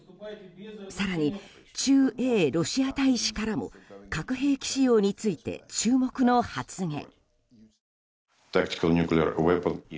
更に、駐英ロシア大使からも核兵器使用について注目の発言。